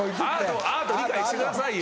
アートを理解してくださいよ。